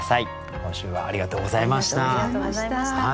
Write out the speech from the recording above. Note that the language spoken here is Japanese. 今週はありがとうございました。